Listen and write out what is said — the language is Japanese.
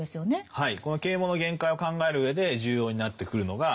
はい。